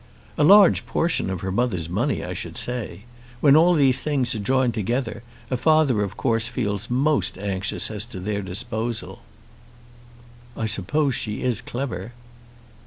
"A large portion of her mother's money, I should say. When all these things are joined together, a father of course feels most anxious as to their disposal." "I suppose she is clever."